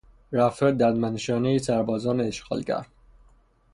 رفتار ددمنشانهی سربازان اشغالگر